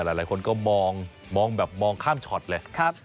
หลายคนก็มองแบบมองข้ามช็อตเลย